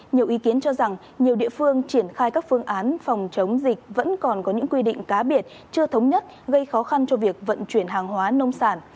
nhiều ý kiến cho rằng nhiều địa phương triển khai các phương án phòng chống dịch vẫn còn có những quy định cá biệt chưa thống nhất gây khó khăn cho việc vận chuyển hàng hóa nông sản